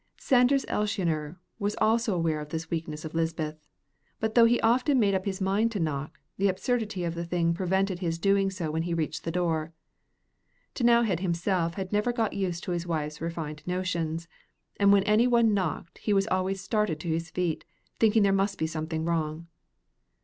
Sanders Elshioner was also aware of this weakness of Lisbeth, but though he often made up his mind to knock, the absurdity of the thing prevented his doing so when he reached the door. T'nowhead himself had never got used to his wife's refined notions, and when any one knocked he always started to his feet, thinking there must be something wrong.